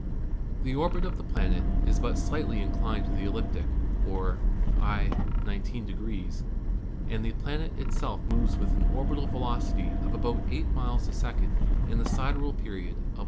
The orbit of the planet is but slightly inclined to the ecliptic, or i° 19', and the planet itself moves with an or bital velocity of about eight miles a second in the sidereal period of 11.